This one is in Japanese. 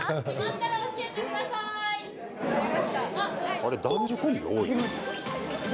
あれ、男女コンビが多いな。